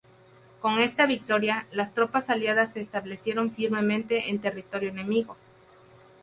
Con esta victoria, las tropas aliadas se establecieron firmemente en territorio enemigo.